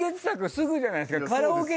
すぐじゃないですか。